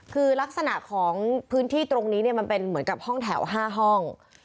คือลักษณะของพื้นที่ตรงนี้เนี่ยมันเป็นเหมือนกับห้องแถว๕ห้อง